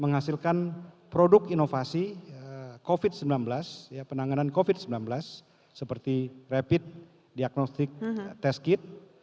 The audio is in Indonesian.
menghasilkan produk inovasi covid sembilan belas penanganan covid sembilan belas seperti rapid diagnostic test kit